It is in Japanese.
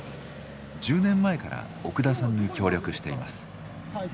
１０年前から奥田さんに協力しています。